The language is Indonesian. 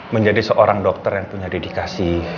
menjadi seorang dokter yang punya dedikasi